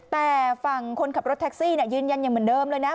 แต่ฝั่งคนขับรถแท็กซี่ยืนยันอย่างเหมือนเดิมเลยนะ